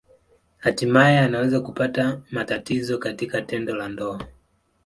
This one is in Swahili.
Hatimaye anaweza kupata matatizo katika tendo la ndoa.